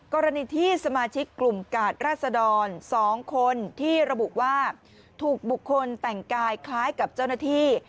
กรณีที่สมาชิกกลุ่มกาดราษดร๒คนที่ระบุว่าถูกบุคคลแต่งกายคล้ายกับเจ้าหน้าที่